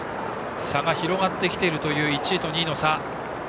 差が広がってきているという１位と２位の差。